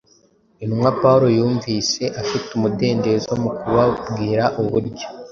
Intumwa Pawulo yumvise afite umudendezo mu kubabwira uburyo